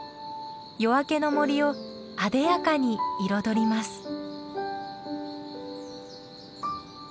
夜明けの森をあでやかに彩ります。